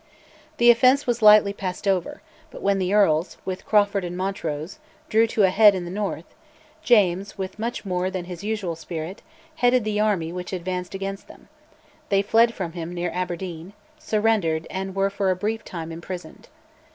The offence was lightly passed over, but when the earls, with Crawford and Montrose, drew to a head in the north, James, with much more than his usual spirit, headed the army which advanced against them: they fled from him near Aberdeen, surrendered, and were for a brief time imprisoned.